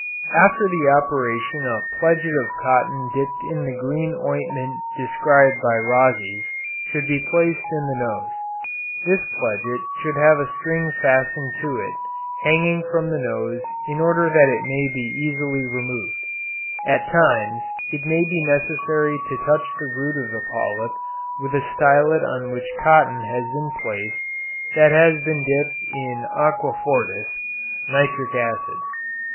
After the operation a pledget of cotton dipped in the green ointment described by Rhazes should be placed in the nose. This pledget should have a string fastened to it, hanging from the nose in order that it may be easily removed. At times it may be necessary to touch the root of the polyp with a stylet on which cotton has been placed that has been dipped in aqua fortis (nitric acid).